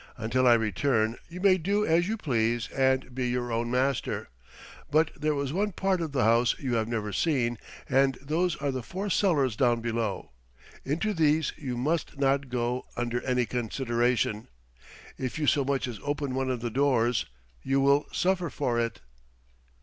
Until I return you may do as you please and be your own master. But there is one part of the house you have never seen, and those are the four cellars down below. Into these you must not go under any consideration. If you so much as open one of the doors, you will suffer for it."